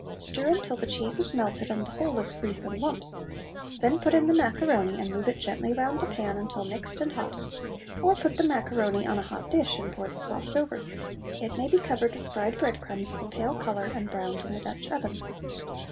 Stir until the cheese is melted and the whole is free from lumps, when put in the macaroni and move it gently round the pan until mixed and hot, or put the macaroni on a hot dish and pour the sauce over. It may be covered with fried bread crumbs of a pale colour and browned in a Dutch oven.